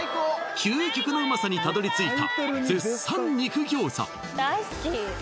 究極のうまさにたどり着いた